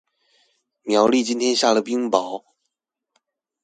苗栗今天下了冰雹